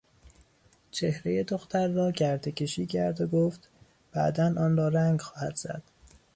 چهرهی دختر را گرتهکشی کرد و گفت بعدا آنرا رنگ خواهد زد.